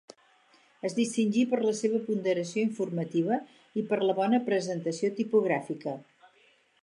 Es distingí per la seva ponderació informativa i per la bona presentació tipogràfica.